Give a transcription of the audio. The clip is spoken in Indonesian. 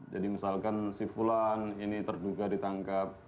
jadi misalkan si fulan ini terduga ditangkap